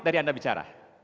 dari anda bicara